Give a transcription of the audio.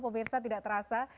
pemirsa tidak terasa